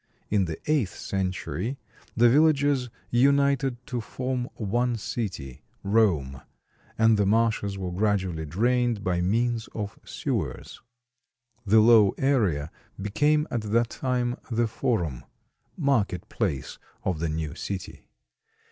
In the eighth century the villages united to form one city, Rome, and the marshes were gradually drained by means of sewers. The low area became at that time the Forum, "marketplace" of the new city.